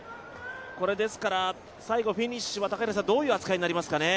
最後、フィニッシュはどういう扱いになりますかね？